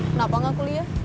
kenapa gak kuliah